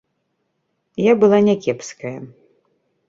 Я была не кепская.